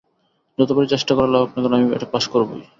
যতবারই চেষ্টা করা লাগুক না কেন আমি এটা পাস করবই।